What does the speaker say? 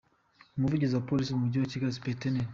Umuvugizi wa Polisi mu mujyi wa Kigali , Supt.